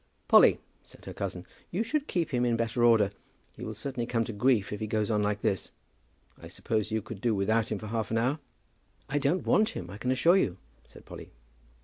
"Polly," said her cousin, "you should keep him in better order. He will certainly come to grief if he goes on like this. I suppose you could do without him for half an hour." "I don't want him, I can assure you," said Polly.